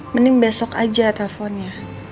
mending besok aja telfonnya